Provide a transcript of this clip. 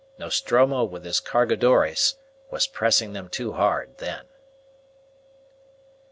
Nostromo, with his Cargadores, was pressing them too hard then.